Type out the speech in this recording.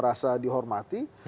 saya juga merasa dihormati